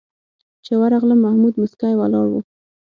چې ورغلم محمود موسکی ولاړ و.